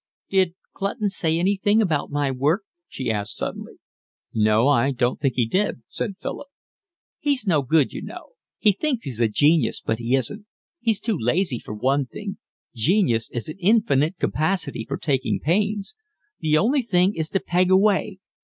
"Did Clutton say anything about my work?" she asked suddenly. "No, I don't think he did," said Philip. "He's no good, you know. He thinks he's a genius, but he isn't. He's too lazy, for one thing. Genius is an infinite capacity for taking pains. The only thing is to peg away.